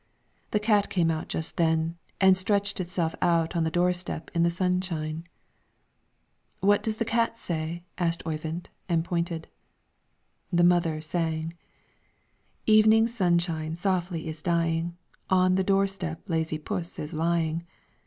The cat came out just then, and stretched itself out on the door step, in the sunshine. "What does the cat say?" asked Oyvind, and pointed. The mother sang, "Evening sunshine softly is dying, On the door step lazy puss is lying.